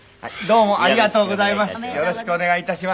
ありがとうございます。